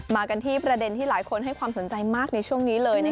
มากันที่ประเด็นที่หลายคนให้ความสนใจมากในช่วงนี้เลย